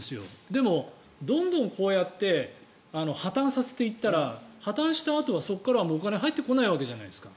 でも、どんどんこうやって破たんさせていったら破たんしたあとはそこからはもうお金は入ってこないわけじゃないですか。